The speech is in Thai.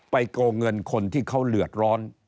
โกงเงินคนที่เขาเดือดร้อน